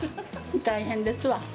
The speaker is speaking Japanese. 大変ですわ。